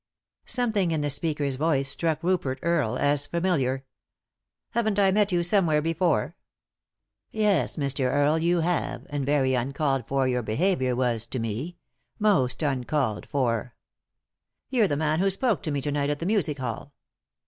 Something in the speaker's voice struck Rupert Earle as familiar. " Haven't I met you somewhere before ?" "Yes, Mr. Earle, you have, and very uncalled for your behaviour was to me ; most uncalled for." " You're the man who spoke to me to night at the music hall."